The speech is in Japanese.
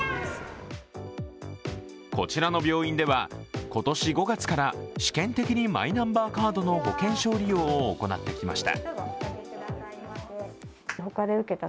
こちらの病院では今年５月から試験的にマイナンバーカードの保険証利用を行ってきました。